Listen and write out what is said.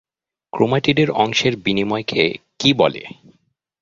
ক্রোমাটিডের অংশের বিনিময়কে কী বলে?